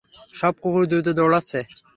সব কুকুর দ্রুত দৌড়াচ্ছে!